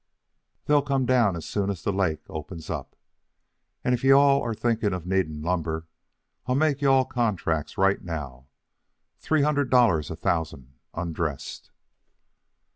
They'll come down as soon as the lakes open up. And if you all are thinking of needing lumber, I'll make you all contracts right now three hundred dollars a thousand, undressed."